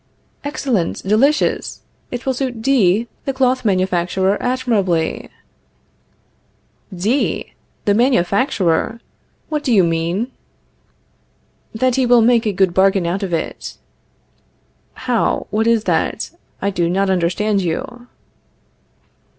Excellent, delicious! It will suit D , the cloth manufacturer, admirably. D , the manufacturer! What do you mean? That he will make a good bargain out of it. How? What is that? I do not understand you.